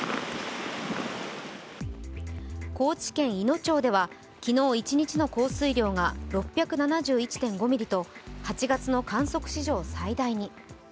高知県いの町では昨日一日の降水量が６７１．５ミリと８月の観測史上最大に。